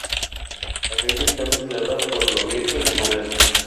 La calle está mezclada por lo viejo y lo moderno.